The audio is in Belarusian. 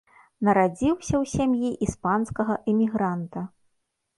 Нарадзіўся ў сям'і іспанскага эмігранта.